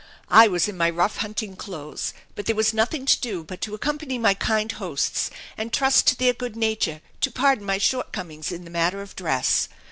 I was in my rough hunting clothes, but there was nothing to do but to accompany my kind hosts and trust to their good nature to pardon my shortcomings in the matter of dress.